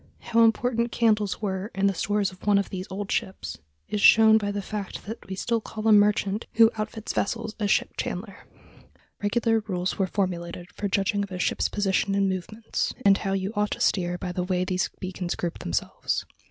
How important candles were in the stores of one of these old ships is shown by the fact that we still call a merchant who outfits vessels a ship chandler. Regular rules were formulated for judging of a ship's position and movements, and how you ought to steer by the way these beacons grouped themselves.